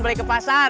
balik ke pasar